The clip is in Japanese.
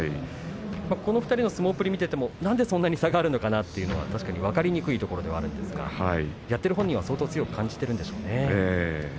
この２人の相撲っぷりを見ていてもなんでそんなに差があるのかな？というのは確かに分かりにくいところでもありますが、やっているほうには相当、圧力を感じているんでしょうね。